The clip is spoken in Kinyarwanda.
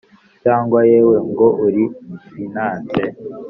cyangwa yewe ngo uri fiance,